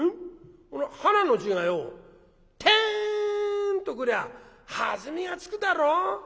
はなの字がよテンとくりゃ弾みがつくだろう。なあ。